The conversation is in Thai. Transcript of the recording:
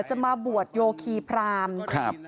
จะมาบวชโยขีพราหมณ์